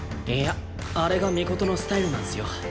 いやあれが尊のスタイルなんすよ。